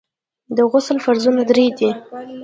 د غسل فرضونه درې دي.